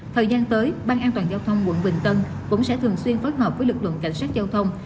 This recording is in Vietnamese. thời gian tới ban an toàn giao thông quận bình tân cũng sẽ thường xuyên phối hợp với lực lượng cảnh sát giao thông